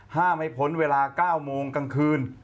ห้ามให้พ้นเวลา๙โมงกลางคืน